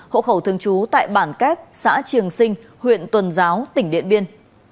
hộ khẩu thường trú tại bản kép xã triềng sinh huyện tuần giáo tỉnh điện biên